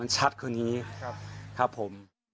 มันชัดคุณนี้ครับผม